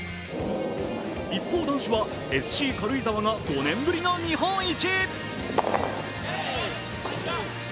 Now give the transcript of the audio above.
一方、男子はＳＣ軽井沢が５年ぶりの日本一。